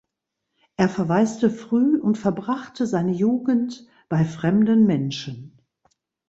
Er verwaiste früh und verbrachte seine Jugend bei fremden Menschen.